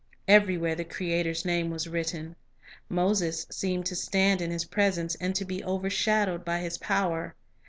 Everywhere the Creator's name was written. Moses seemed to stand in His presence, and to be overshadowed by His power.